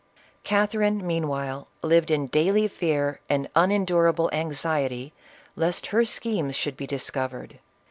Catherine meanwhile lived in daily fear and unen d.urable anxiety lest her schernes should be discovered.